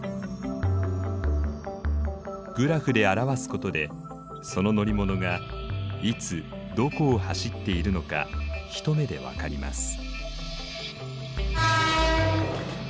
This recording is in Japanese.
グラフで表すことでその乗り物がいつどこを走っているのか一目でわかります。